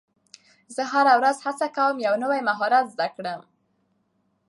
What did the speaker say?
زه هره ورځ هڅه کوم یو نوی مهارت زده کړم